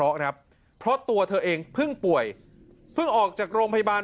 เพราะครับเพราะตัวเธอเองเพิ่งป่วยเพิ่งออกจากโรงพยาบาล